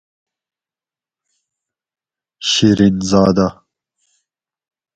شیرین زادہ